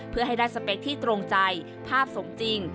เพื่อให้ได้สเปคที่ตรงใจภาพสมจริง